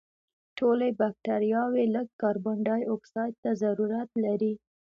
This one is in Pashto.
ټولې بکټریاوې لږ کاربن دای اکسایډ ته ضرورت لري.